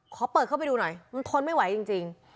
ขอเปิดเข้าไปดูหน่อยมันทนไม่ไหวจริง